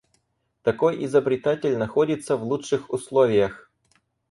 Такой изобретатель находится в лучших условиях.